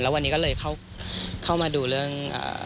วันนี้ก็เลยเข้ามาดูเรื่อง